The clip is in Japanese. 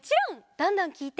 どんどんきいて！